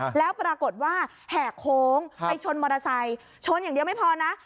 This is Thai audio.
อะฮะแล้วปรากฏว่าแหกโค้งครับไปชนมอเทศัยชนอย่างเดียวไม่พอนะ